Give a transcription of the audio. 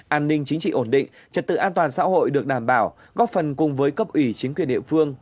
an ninh chính trị ổn định trật tự an toàn xã hội được đảm bảo góp phần cùng với cấp ủy chính quyền địa phương